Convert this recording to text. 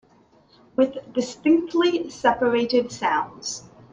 With distinctly separated sounds.